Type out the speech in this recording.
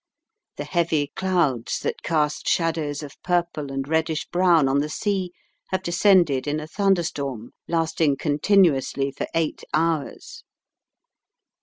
The heavy clouds that cast shadows of purple and reddish brown on the sea have descended in a thunderstorm, lasting continuously for eight hours.